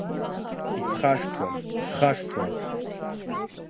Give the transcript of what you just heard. Исхашҭуам, исхашҭуам…